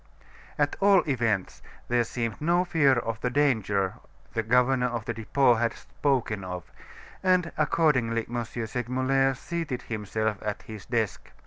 At all events, there seemed no fear of the danger the governor of the Depot had spoken of, and accordingly M. Segmuller seated himself at his desk.